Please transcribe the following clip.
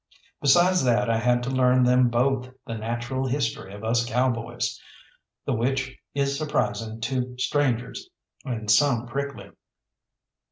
Besides that I had to learn them both the natural history of us cowboys, the which is surprising to strangers, and some prickly.